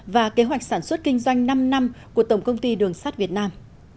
và kế hoạch sản xuất kinh doanh năm năm của tổng công ty đường sắt việt nam